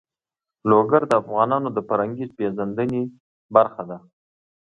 لوگر د افغانانو د فرهنګي پیژندنې برخه ده.